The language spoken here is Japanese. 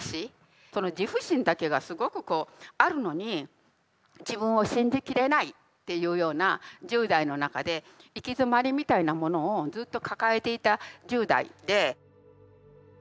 その自負心だけがすごくこうあるのに自分を信じ切れないっていうような１０代の中で行き詰まりみたいなものをずっと抱えていた１０代で。